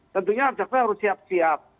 tentunya harus siap siap